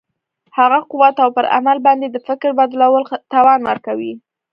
هغه قوت او پر عمل باندې د فکر بدلولو توان ورکوي.